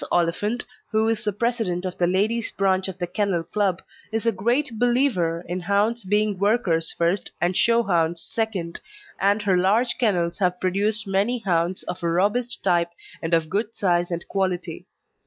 Oliphant, who is the president of the ladies' branch of the Kennel Club, is a great believer in hounds being workers first and show hounds second, and her large kennels have produced many hounds of a robust type and of good size and quality.